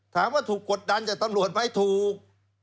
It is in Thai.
ถามว่าถูกกดดันจากตำรวจไหมถูก